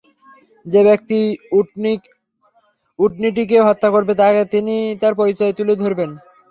যে ব্যক্তি উটনীটিকে হত্যা করবে তিনি তার পরিচয়ও তুলে ধরেন।